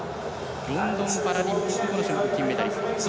ロンドンパラリンピック金メダリスト。